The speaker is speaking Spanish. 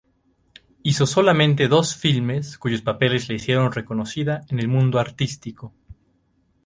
Hizo solamente dos filmes cuyos papeles la hicieron reconocida en el mundo artístico.